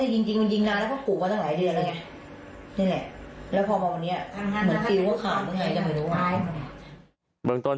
แต่ยิงจริงมันยิงนานแล้วก็ขู่กันตั้งหลายเดือนเลย